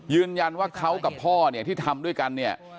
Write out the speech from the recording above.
ยืนยันว่าเขากับพ่อเนี่ยที่ทำด้วยกันเนี่ย